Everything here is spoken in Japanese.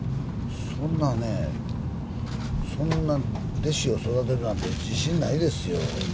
そんなね、そんな弟子を育てるなんて自信ないですよ。